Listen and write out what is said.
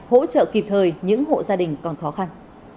hỗ trợ kịp thời những hộ gia đình còn khó khăn